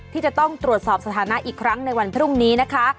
ที่จะต้องตรวจสอบสถานะอีกครั้งในวันพรุ่งนี้นะคะ